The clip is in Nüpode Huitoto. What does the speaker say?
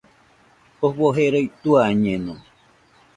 Jofo jerai tuañeno